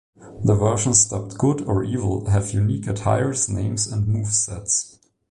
The versions, dubbed "Good" or "Evil", have unique attires, names and move sets.